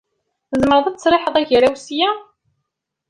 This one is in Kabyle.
Tzemreḍ ad tesriḥeḍ agaraw ssya.